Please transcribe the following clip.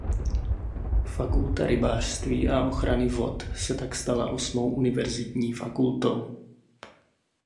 Fakulta rybářství a ochrany vod se tak stala osmou univerzitní fakultou.